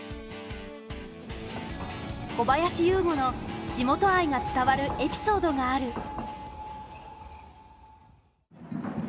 小林有吾の地元愛が伝わるエピソードがある。